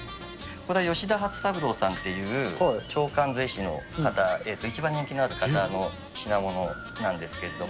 これは吉田初三郎さんという、鳥観図絵師の方、一番人気のある方の品物なんですけれども。